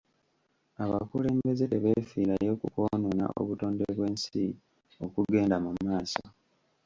Abakulembeze tebeefiirayo ku kwonoona obutonde bw'ensi okugenda mu maaso.